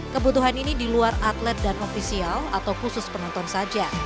kebutuhan ini di luar atlet dan ofisial atau khusus penonton saja